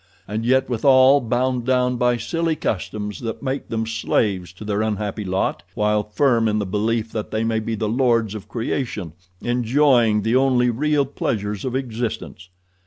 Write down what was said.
And yet withal bound down by silly customs that make them slaves to their unhappy lot while firm in the belief that they be the lords of creation enjoying the only real pleasures of existence.